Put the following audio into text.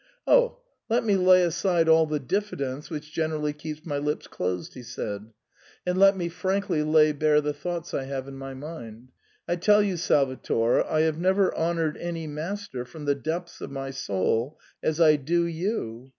77 " Oh, let me lay aside all ,the diffidence which gen erally keeps my lips closed," he said, "and let me frankly lay bare the thoughts I have in my mind. I tell you, Salvator, I have never honoured any master from the depths of my soul as I do you.